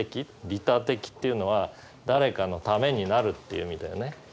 利他的っていうのは誰かのためになるっていう意味だよね。